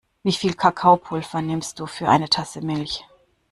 Wie viel Kakaopulver nimmst du für eine Tasse Milch?